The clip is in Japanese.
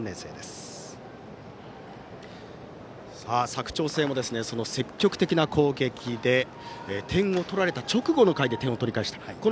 佐久長聖も積極的な攻撃で点を取られた直後の回で点を取り返した。